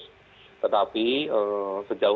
tetapi sejauh ini sih tidak tidak mengganggu tidak mengganggu